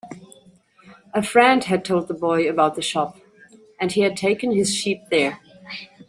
A friend had told the boy about the shop, and he had taken his sheep there.